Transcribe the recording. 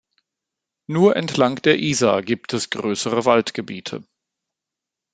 Nur entlang der Isar gibt es größere Waldgebiete.